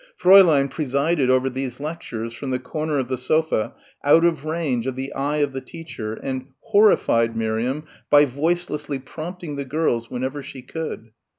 Fräulein presided over these lectures from the corner of the sofa out of range of the eye of the teacher and horrified Miriam by voicelessly prompting the girls whenever she could.